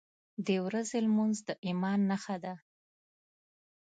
• د ورځې لمونځ د ایمان نښه ده.